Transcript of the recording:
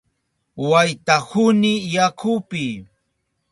Waytahuni yakupi.